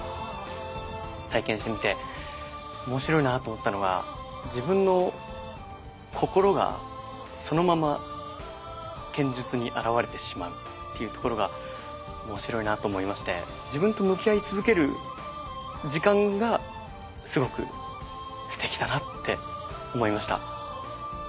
体験してみて面白いなと思ったのは自分の心がそのまま剣術に表れてしまうっていうところが面白いなと思いまして自分と向き合い続ける時間がすごくすてきだなって思いました。